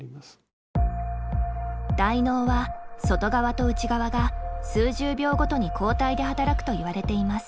大脳は外側と内側が数十秒ごとに交代で働くといわれています。